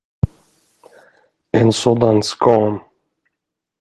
En sådan skam!